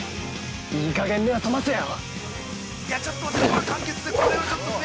いいかげん目を覚ませよ。